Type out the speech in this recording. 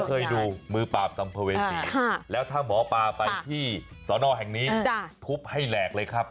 เคยดูมือปราบสัมภเวษีแล้วถ้าหมอปลาไปที่สอนอแห่งนี้ทุบให้แหลกเลยครับ